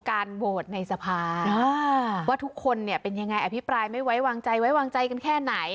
การโหวตในสภาว่าทุกคนเนี่ยเป็นยังไงอภิปรายไม่ไว้วางใจไว้วางใจกันแค่ไหน